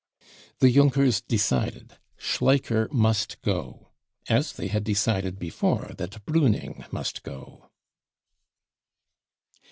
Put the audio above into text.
The Junkers decided : Schleicher must go !— as they had decided Before that Pruning must go.